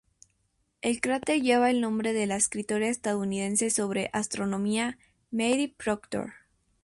El cráter lleva el nombre de la escritora estadounidense sobre astronomía Mary Proctor.